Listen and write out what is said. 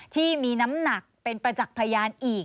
ที่มีน้ำหนักเป็นประจักษ์พยานอีก